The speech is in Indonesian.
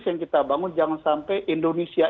yang kita bangun jangan sampai indonesia